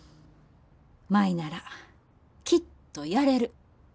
舞ならきっとやれる。